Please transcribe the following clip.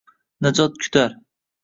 Najot kutar